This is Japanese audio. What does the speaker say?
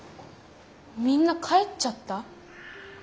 みんな帰っちゃった？